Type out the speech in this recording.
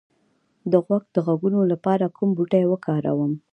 د غوږ د غږونو لپاره کوم بوټی وکاروم؟